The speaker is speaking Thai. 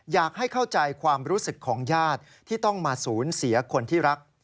อยากให้เข้าใจความรู้สึกของญาติที่ต้องมาสูญเสียคนที่รัก